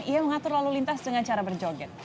ia mengatur lalu lintas dengan cara berjoget